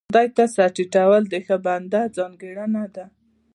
خدای ته سر ټيټول د ښه بنده ځانګړنه ده.